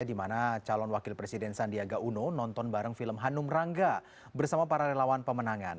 di mana calon wakil presiden sandiaga uno nonton bareng film hanum rangga bersama para relawan pemenangan